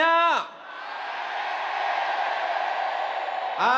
apa kabar indonesia